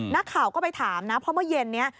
นักข่าวก็ไปถามนะเพราะเมื่อเย็นนี้